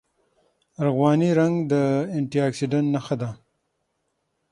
ارغواني رنګ د انټي اکسیډنټ نښه ده.